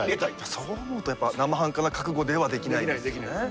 そう思うとやっぱなまはんかな覚悟ではできないですよね。